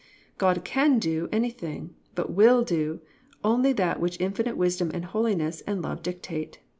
_ God can do anything, but will do only that which infinite wisdom and holiness and love dictate.